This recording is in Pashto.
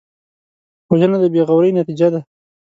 وژنه د بېغورۍ نتیجه ده